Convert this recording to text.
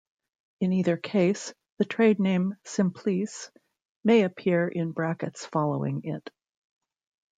In either case, the trade name "Simplesse" may appear in brackets following it.